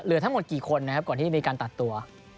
ทั้งหมดกี่คนนะครับก่อนที่จะมีการตัดตัว